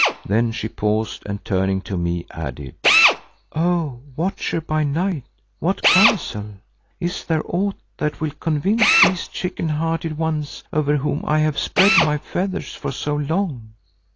Then she paused and turning to me, added, "O Watcher by Night, what counsel? Is there aught that will convince these chicken hearted ones over whom I have spread my feathers for so long?"